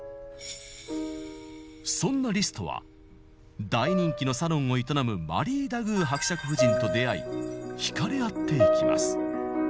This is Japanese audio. そんなリストは大人気のサロンを営むマリー・ダグー伯爵夫人と出会い惹かれ合っていきます。